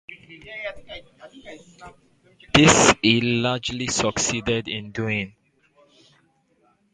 This he largely succeeded in doing.